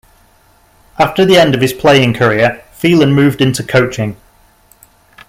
After the end of his playing career, Phelan moved into coaching.